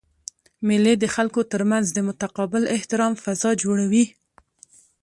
مېلې د خلکو ترمنځ د متقابل احترام فضا جوړوي.